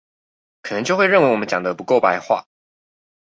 可能就會認為我們講得不夠白話